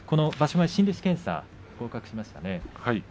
前、新弟子検査で合格しましたね。